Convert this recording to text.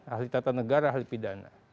ahli tata negara ahli pidana